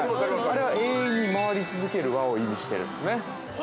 ◆あれは、永遠に回り続ける輪を意味してるんですね。